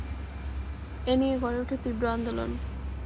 এ নিয়ে গড়ে ওঠে তীব্র আন্দোলন।